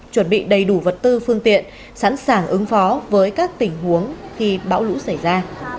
chuẩn bị đầy đủ vật tư phương tiện sẵn sàng ứng phó với các tình huống khi bão lũ xảy ra